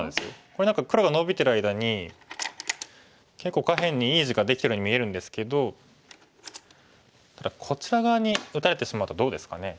これ何か黒がノビてる間に結構下辺にいい地ができてるように見えるんですけどただこちら側に打たれてしまうとどうですかね。